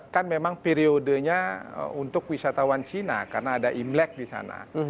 kan memang periodenya untuk wisatawan cina karena ada imlek di sana